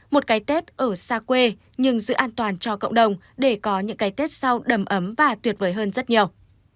một cái tết ở xa quê nhưng giữ an toàn cho cộng đồng để có những cái tết sau đầm ấm và tuyệt vời hơn rất nhiều